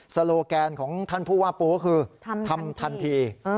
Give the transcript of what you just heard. โลแกนของท่านผู้ว่าปูก็คือทำทันที